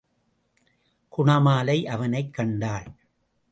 குணமாலை அவனைக் கண்டாள்.